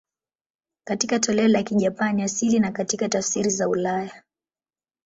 Katika toleo la Kijapani asili na katika tafsiri za ulaya.